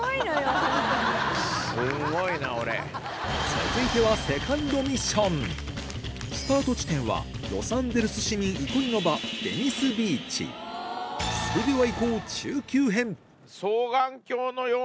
続いてはスタート地点はロサンゼルス市民憩いの場それではいこう！